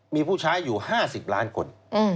มีผู้ใช้อยู่๕๐ล้านคน